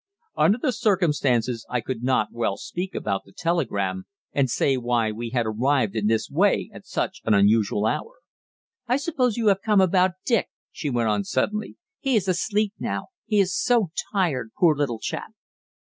Under the circumstances I could not well speak about the telegram, and say why we had arrived in this way at such an unusual hour. "I suppose you have come about Dick," she went on suddenly. "He is asleep now he was so tired, poor little chap."